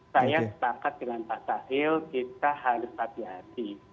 saya setakat dengan pak syahril kita harus hati hati